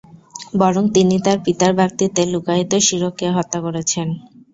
বরং তিনি তার পিতার ব্যক্তিত্বে লুকায়িত শিরককে হত্যা করেছেন।